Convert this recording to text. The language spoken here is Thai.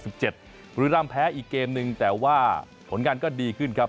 บุรีรำแพ้อีกเกมนึงแต่ว่าผลงานก็ดีขึ้นครับ